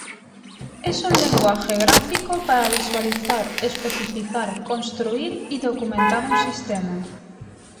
Es un lenguaje gráfico para visualizar, especificar, construir y documentar un sistema.